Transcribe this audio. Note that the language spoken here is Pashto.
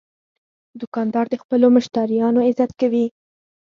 دوکاندار د خپلو مشتریانو عزت کوي.